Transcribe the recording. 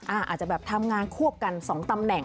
อาจจะแบบทำงานควบกัน๒ตำแหน่ง